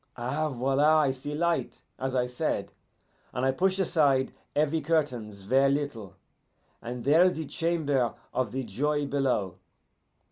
Eh, voila, I see light, as I said, and I push aside heavy curtains ver' little, and there is the Chamber of the Joy below.